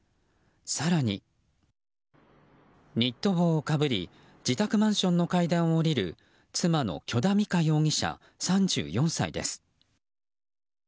更に、ニット帽をかぶり自宅マンションの階段を下りる妻の許田美香容疑者、３４歳です。